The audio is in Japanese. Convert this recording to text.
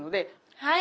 はい。